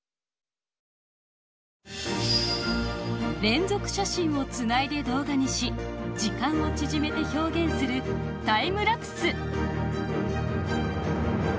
連続写真をつないで動画にし時間を縮めて表現するタイムラプス。